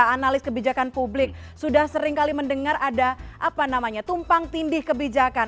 analis kebijakan publik sudah seringkali mendengar ada apa namanya tumpang tindih kebijakan